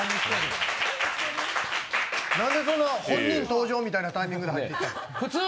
なぜ、そんな本人登場みたいなタイミングで入ってくるの。